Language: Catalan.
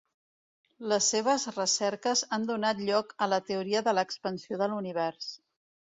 Les seves recerques han donat lloc a la teoria de l'expansió de l'Univers.